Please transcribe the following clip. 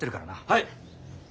はい。